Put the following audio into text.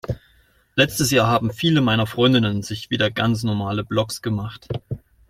Letztes Jahr haben viele meiner Freundinnen sich wieder ganz normale Blogs gemacht.